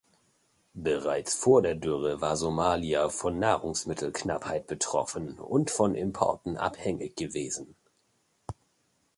Bereits vor der Dürre war Somalia von Nahrungsmittelknappheit betroffen und von Importen abhängig gewesen.